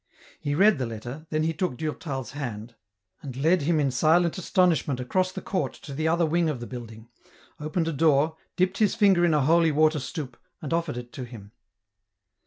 He read the letter, then he took Durtal's hand, and led 154 EN ROUTE. him in silent astonishment across the court to the other wing of the building, opened a door, dipped his finger in a holy water stoup, and offered it to him.